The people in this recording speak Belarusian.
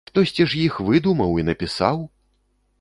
Хтосьці ж іх выдумаў і напісаў!